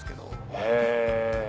へぇ。